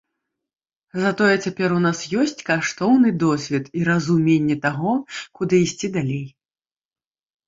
Затое цяпер у нас ёсць каштоўны досвед і разуменне таго, куды ісці далей.